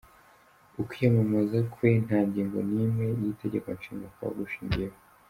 Ukwiyamamaza kwe nta ngingo n’imwe y’Itegekonshinga kwaba gushingiyeho.